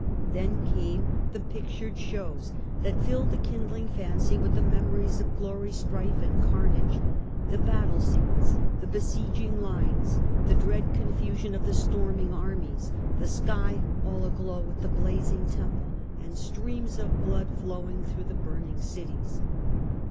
Then came the pictured shows that filled A..D. 69 79 * Vespasian, 149 the kindling fancy with the memories of glory, strife, and carnage ; the battle scenes, the besieging lines, the dread confusion of the storming armies, the sky all Lglow with the blazing Temple, and streams of blood flowing through the burning cities.